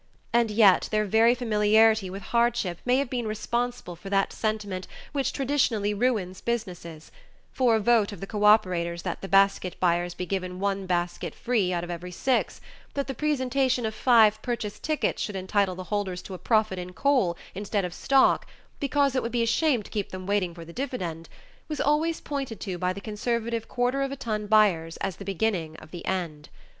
And yet their very familiarity with hardship may have been responsible for that sentiment which traditionally ruins business, for a vote of the cooperators that the basket buyers be given one basket free out of every six, that the presentation of five purchase tickets should entitle the holders to a profit in coal instead of stock "because it would be a shame to keep them waiting for the dividend," was always pointed to by the conservative quarter of a ton buyers as the beginning of the end.